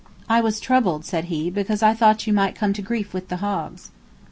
"I was troubled," said he, "because I thought you might come to grief with the hogs."